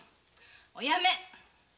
おやめ！